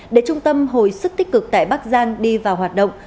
để trung tâm hồi sức tích cực tại bắc giang đi vào hoạt động